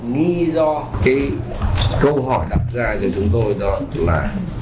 nghĩ do câu hỏi đặt ra cho chúng tôi là